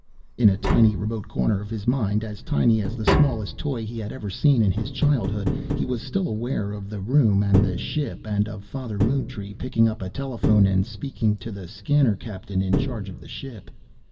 In a tiny remote corner of his mind, as tiny as the smallest toy he had ever seen in his childhood, he was still aware of the room and the ship, and of Father Moontree picking up a telephone and speaking to a Scanner captain in charge of the ship.